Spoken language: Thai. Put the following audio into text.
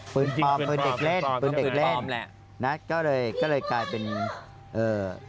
ปืนพอมปืนเด็กเล่นปืนเด็กเล่นนะก็เลยกลายเป็นเอ่อ